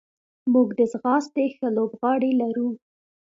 موږ د ځغاستې ښه لوبغاړي لرو.